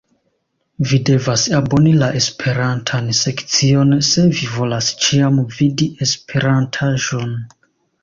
Vi devas aboni la esperantan sekcion se vi volas ĉiam vidi esperantaĵon